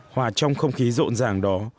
hòa trong không khí rộn ràng đó